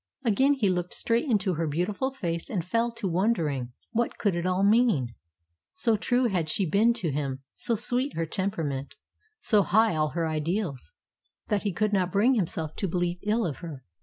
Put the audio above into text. Again he looked straight into her beautiful face, and fell to wondering. What could it all mean? So true had she been to him, so sweet her temperament, so high all her ideals, that he could not bring himself to believe ill of her.